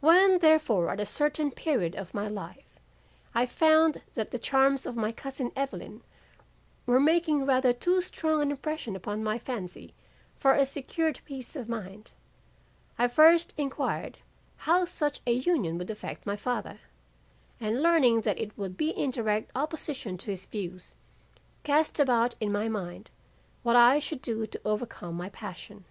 "When, therefore, at a certain period of my life, I found that the charms of my cousin Evelyn were making rather too strong an impression upon my fancy for a secured peace of mind, I first inquired how such a union would affect my father, and learning that it would be in direct opposition to his views, cast about in my mind what I should do to overcome my passion.